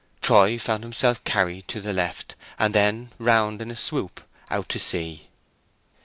Troy found himself carried to the left and then round in a swoop out to sea.